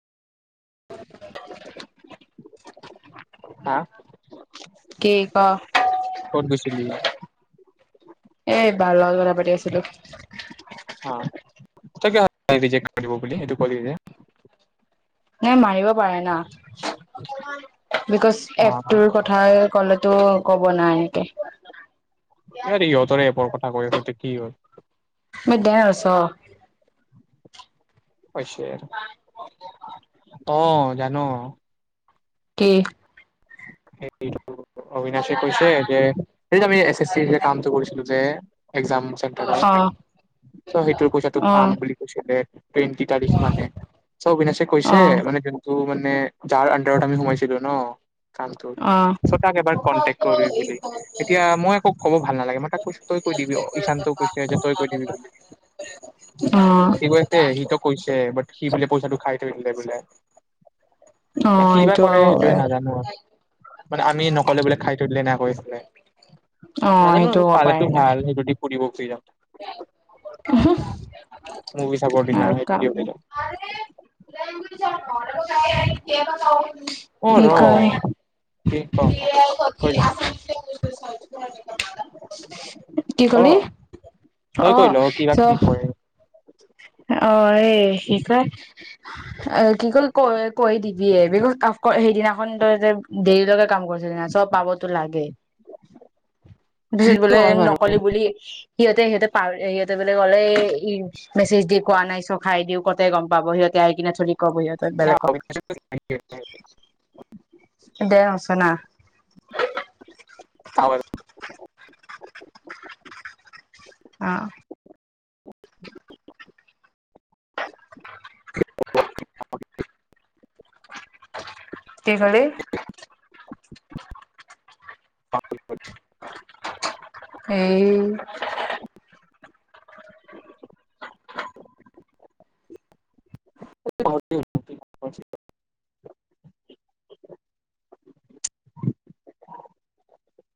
হা কি ক ক'ত গৈছিলি এ বাৰ লগত কথা পাতি আছিলো। হা তাকে ভাবি ৰিজেক্ট কৰিব বুলি সেইটো কলি যে নাই মাৰিব পাৰে না! বিকজ অ অ এপটোৰ কথা কলেতো ক'ব নাই এনেক। [unintelligible] ইহঁতৰে এপৰ কথা কৈ আছ [unintelligible] কি হ'ল? [inaudible] কৈছে। অ', জানো। কি? [inaudible] অবিনাশে কৈছে যে, সেই আমি এছ এছ চি যে কামটো কৰিছিলো যে একজাম চেণ্টাৰৰ, অ চ' সেইটো কৈছে তোক অ আম বুলি অ কৈছে‌ [unintelligible] চ' অবিনাশে অ কৈছে, ‌মানে জোনটো মান নে যাৰ আণ্ডাৰত আমি সোমাইছিলোঁ ন? কালটো, অ চ' তাক এবাৰ কনটেকট কৰিবি বুলি এতিয়া মই একো কব ভাল নালাগে, মই তাক কৈছো তই কৈ দিবি ঈশান্তও কৈছে যে তই কৈ দিবি বুলি। অ সি কৈছে, সিটো কৈছে বাট কি পইচাটো খায় ধুই দিলে বোলে। নে অ', কিবা সেইটো কৰে সেইটোৱে এ। নাজানো আৰু মানে আমি নকলে বোলে খাই থৈ দিলে না কৈছিলে। অ নাজানো সেইটো আৰু হ'ব পালেতো পাৰে নাই ভাল, সেইটোদি ফুৰিব শ্ৰীৰাম। মুভি চাবৰ দিনা আৰু সেইটো দি কাম ওলাই নাই যাম অ' কি ৰ কয় কি কওঁ ক কৈ ল। কি ক কলি? তই কৈ ল অ', কিবা চ কি কয় অ এই কি কয়, এ কি কলো কৈ কৈ দিবিয়ে, বিকজ [unintelligible] সিদিনাখন তই যে দেৰিলৈকে কাম কৰিছিলি নাই, চ' পাবতো লাগে। পিছত বোলে নকলি বুলি সিহঁতে সিহঁতে পাৰে সিহঁতে বুলি ক'লে, ই মেছেজ দি কোৱা নাই, চ' খাই দিও, কতে গম পাব সিহঁতি আহি কিনে থৰি ক'ব সিহঁতক বেলেগক। দে ৰচোনা। [unintelligible] অ'। কি ক'লি? [inaudible] এই। [inaudible]